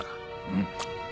うん。